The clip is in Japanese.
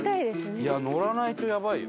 いや乗らないとやばいよ。